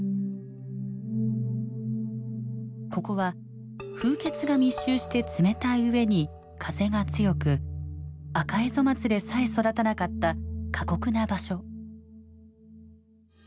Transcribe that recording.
ここは風穴が密集して冷たい上に風が強くアカエゾマツでさえ育たなかった過酷な場所。